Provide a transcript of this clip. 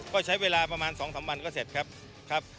ก็ใช้เวลาประมาณ๒๓วันก็เสร็จครับครับ